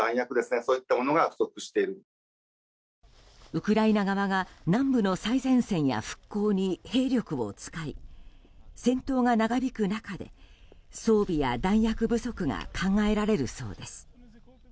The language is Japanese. ウクライナ側が南部の最前線や復興に兵力を使い戦闘が長引く中で装備や弾薬不足が考えられるそうです。